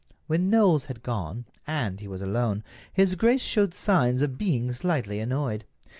When Knowles had gone, and he was alone, his grace showed signs of being slightly annoyed.